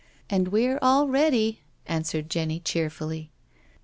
'• And we're all ready/' answered Jenny cheerfully.